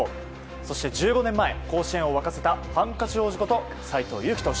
そして１５年前甲子園を沸かせたハンカチ王子こと斎藤佑樹投手。